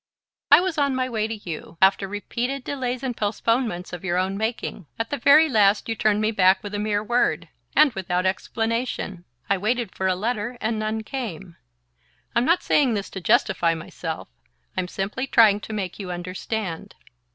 "I was on my way to you after repeated delays and postponements of your own making. At the very last you turned me back with a mere word and without explanation. I waited for a letter; and none came. I'm not saying this to justify myself. I'm simply trying to make you understand.